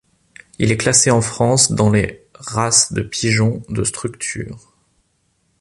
Il est classé en France dans les races de pigeon de structure.